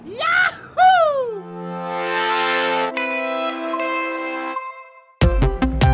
โปรดติดตามตอนต่อไป